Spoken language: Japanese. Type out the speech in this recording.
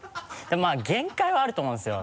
まぁ限界はあると思うんですよ。